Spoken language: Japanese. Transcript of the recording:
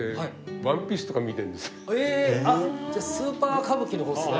じゃあスーパー歌舞伎の方ですね。